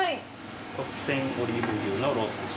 特選オリーブ牛のロースです。